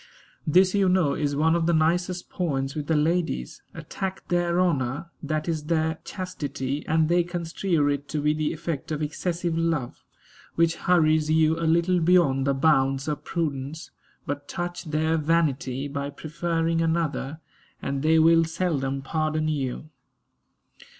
This, you know, is one of the nicest points with the ladies. Attack their honor, that is, their chastity, and they construe it to be the effect of excessive love, which hurries you a little beyond the bounds of prudence. But touch their vanity by preferring another, and they will seldom pardon you.